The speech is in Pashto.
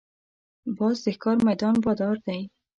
باز د ښکار میدان بادار دی